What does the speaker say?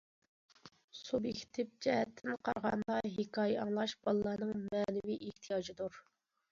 سۇبيېكتىپ جەھەتتىن قارىغاندا، ھېكايە ئاڭلاش بالىلارنىڭ مەنىۋى ئېھتىياجىدۇر.